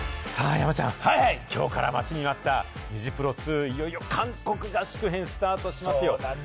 山ちゃん、きょうから待ちに待ったニジプロ２、いよいよ韓国合宿編がスタートしますよ。